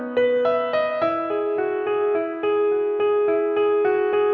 เชิญรักเธอจึงยอมให้เธอไปแต่ง